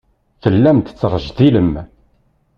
Tellam tettrejdilem.